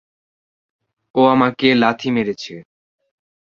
ও আমাকে লাথি মারছে!